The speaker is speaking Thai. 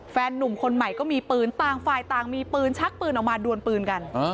นุ่มคนใหม่ก็มีปืนต่างฝ่ายต่างมีปืนชักปืนออกมาดวนปืนกัน